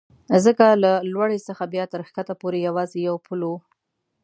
ځکه له لوړې څخه بیا تر کښته پورې یوازې یو پل و.